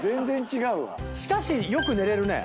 しかしよく寝れるね。